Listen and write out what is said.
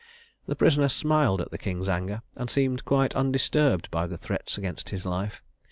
The prisoner smiled at the king's anger, and seemed quite undisturbed by the threats against his life.